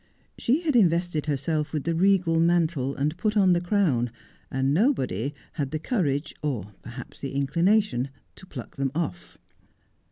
She had invested herself with the regal mantle and put on the crown, and nobody had the courage, or perhaps the inclination, to pluck them off.